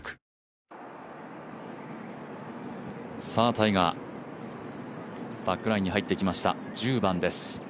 タイガー、バックナインに入ってきました、１０番です。